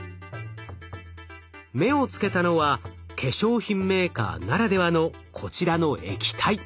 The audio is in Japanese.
目をつけたのは化粧品メーカーならではのこちらの液体。